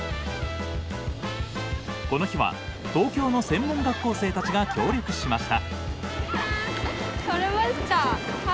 この日は東京の専門学校生たちが協力しました。